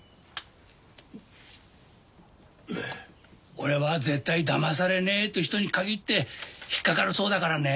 俺は絶対だまされねえって人にかぎって引っかかるそうだからね。